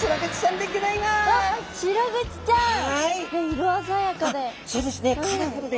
色鮮やかで。